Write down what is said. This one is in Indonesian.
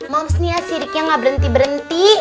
moms nih ya siriknya gak berhenti berhenti